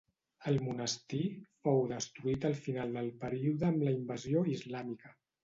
El monestir fou destruït al final del període amb la invasió islàmica.